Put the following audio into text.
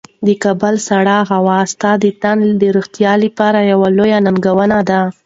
د کابل سړې هوا ستا د تن د روغتیا لپاره یوه لویه ننګونه ده.